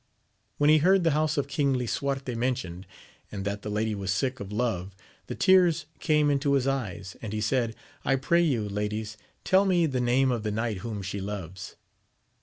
When he heard the house of King Lisuarte mentioned, and that the lady was sick of love, the tears came into his eyes, and he said, I pray you, ladies, tell me the name of the knight whom she loves.